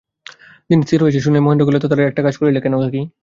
দিন স্থির হইয়াছে শুনিয়াই মহেন্দ্র কহিল, এত তাড়াতাড়ি কাজটা করিলে কেন কাকী।